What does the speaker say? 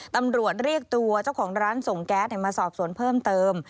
ตำรวจเรียกตัวเจ้าของร้านส่งแก๊สมาสอบสวนเพิ่มเติม